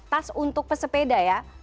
tas untuk pesepeda ya